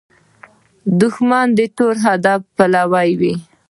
دښمن د تور هدف پلوي وي